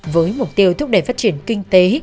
với mục tiêu thúc đẩy phát triển kinh tế